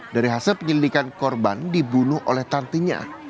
dari hasil penyelidikan korban dibunuh oleh tantinya